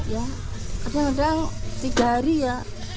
ya kadang kadang tiga hari ya